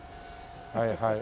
はいはい。